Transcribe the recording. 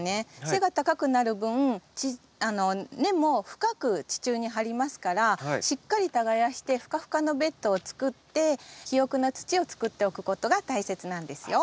背が高くなる分根も深く地中に張りますからしっかり耕してふかふかのベッドを作って肥沃な土を作っておくことが大切なんですよ。